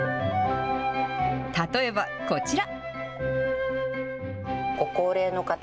例えばこちら。